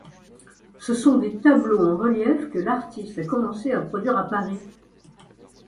Ce sont des tableaux en relief que l'artiste a commencé à produire à Paris.